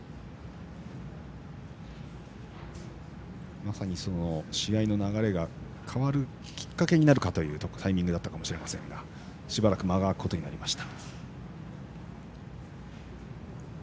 まさに試合の流れが変わるきっかけになるかというタイミングだったかもしれませんがしばらく間が空くことになりました。